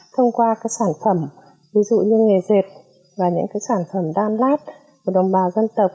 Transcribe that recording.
thông qua các sản phẩm ví dụ như nghề dệt và những sản phẩm đan lát của đồng bào dân tộc